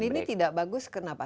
ini tidak bagus kenapa